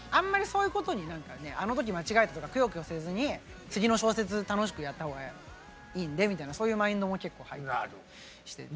そういうことにあの時間違えたとかくよくよせずに次の小節楽しくやった方がいいんでみたいなそういうマインドも結構入ったりしてて。